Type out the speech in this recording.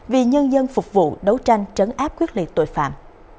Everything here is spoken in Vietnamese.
vì nhân dân phục vụ đấu tranh trấn áp quyết liệt tội phạm